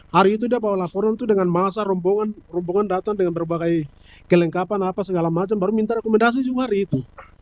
hari itu dia bawa laporan itu dengan masa rombongan datang dengan berbagai kelengkapan apa segala macam baru minta rekomendasi juga hari itu